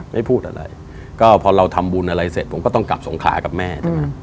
ไม่พูดอะไรก็พอเราทำบุญอะไรเสร็จผมก็ต้องกลับสงขากับแม่ใช่ไหม